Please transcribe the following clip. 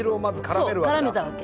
そうからめたわけ。